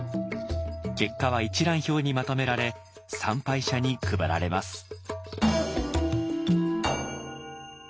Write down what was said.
結果は一覧表にまとめられ参拝者に配られます。